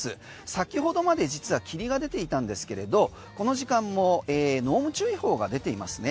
先ほどまで実は霧が出ていたんですけれどこの時間も濃霧注意報が出ていますね。